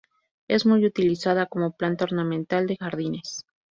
Es muy utilizada como planta ornamental de jardines.